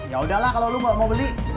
yaudahlah kalau lu gak mau beli